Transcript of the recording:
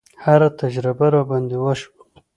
هره تجربه راباندې وشوه.